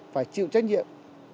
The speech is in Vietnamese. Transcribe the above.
phải chịu trách nhiệm